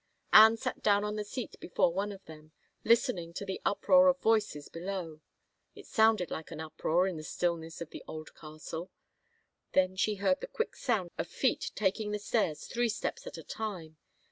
Anne sat down on the seat before one of them, listening to the uproar of voices before — it sounded like an uproar in the stillness of the old castU — then she heard the quick sound of feet taking the stairs three steps at a time.